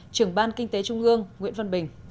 trưởng ban kinh tế trung ương nguyễn văn bình